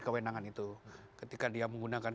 kewenangan itu ketika dia menggunakan